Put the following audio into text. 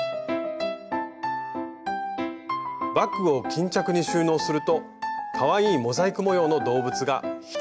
バッグを巾着に収納するとかわいいモザイク模様の動物が引き立ちますよ。